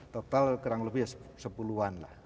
total kurang lebih sepuluhan lah